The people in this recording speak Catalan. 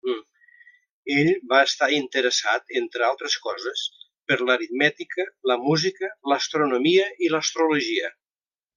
Ell va estar interessat, entre altres coses, per l'aritmètica, la música, l'astronomia i l'astrologia.